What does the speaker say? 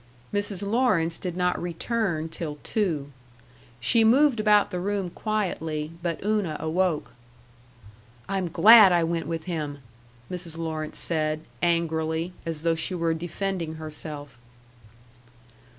Mrs. Lawrence did not return till two. She moved about the room quietly, but Una awoke. "I'm glad I went with him," Mrs. Lawrence said, angrily, as though she were defending herself.